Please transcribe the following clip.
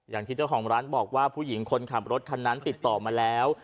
อย่างที่เจ้าของร้านบอกว่าผู้หญิงคนขับรถคันนั้นติดต่อมาแล้ว